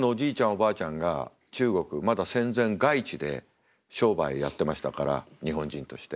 おばあちゃんが中国まだ戦前外地で商売をやってましたから日本人として。